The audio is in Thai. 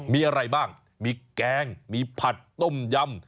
มีอะไรบ้างมีแกงมีผัดต้มยำ